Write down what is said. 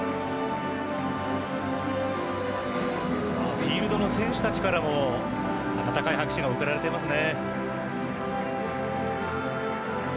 フィールドの選手たちからも温かい拍手が贈られていますね。